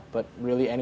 tapi di mana pun